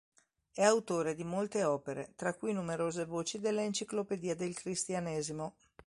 È autore di molte opere, tra cui numerose voci della "Enciclopedia del Cristianesimo.